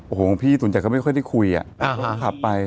โอ้โหพี่สุนจักรเขาไม่เคยได้คุยอ่ะเขาขับไป